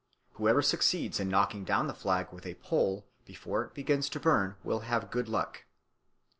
Whoever succeeds in knocking down the flag with a pole before it begins to burn will have good luck.